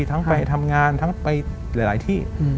ทั้งไปทำงานทั้งไปหลายที่